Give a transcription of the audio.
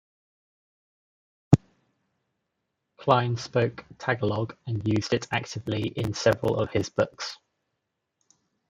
Klein spoke Tagalog and used it actively in several of his books.